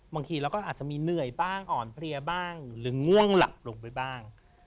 บางทีเราก็อาจจะมีเหนื่อยบ้างอ่อนเพลียบ้างหรือง่วงหลับลงไปบ้าง